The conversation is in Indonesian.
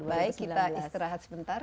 baik kita istirahat sebentar